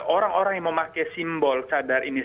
orang orang yang memakai simbol cadar ini